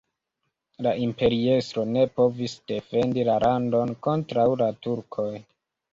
La imperiestro ne povis defendi la landon kontraŭ la turkoj.